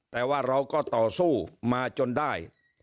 แต่ว่าเราก็ต่อสู้มาจนได้